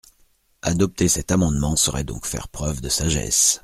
Adopter cet amendement serait donc faire preuve de sagesse.